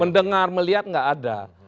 mendengar melihat nggak ada